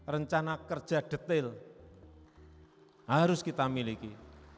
rencana kerja detail harus kita miliki